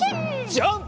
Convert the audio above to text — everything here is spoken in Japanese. ジャンプ！